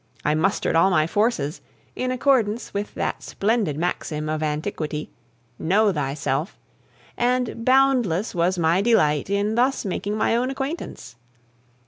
I mustered all my forces, in accordance with that splendid maxim of antiquity, "Know thyself!" and boundless was my delight in thus making my own acquaintance.